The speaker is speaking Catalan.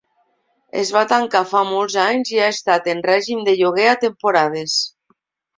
Es va tancar fa molts anys i ha estat en règim de lloguer a temporades.